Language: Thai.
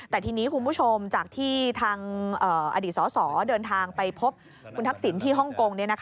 แต่ทีนี้คุณผู้ชมจากที่ทางอดีตสสเดินทางไปพบคุณทักษิณที่ฮ่องกง